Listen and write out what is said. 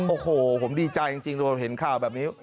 โอ้โหผมดีใจจริงโดยเห็นข่าวแบบนี้